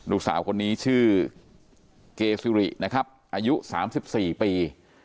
ลูกสาวคนนี้ชื่อเกซิรินะครับอายุ๓๔ปี